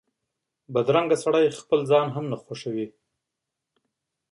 بدرنګه سړی خپل ځان هم نه خوښوي